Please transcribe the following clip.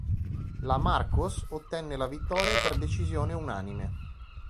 La Markos ottenne la vittoria per decisione unanime.